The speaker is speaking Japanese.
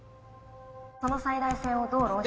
その最大性をどう論証